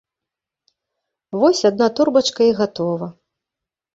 Вось адна торбачка і гатова!